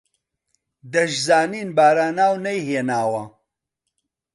دەشزانین باراناو نەیهێناوە